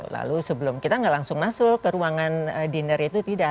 lalu sebelum kita nggak langsung masuk ke ruangan dinner itu tidak